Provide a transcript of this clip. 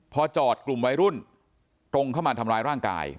พอจอดกลุ่มวัยรุ่นตรงเข้ามาทำร้ายร่างกาย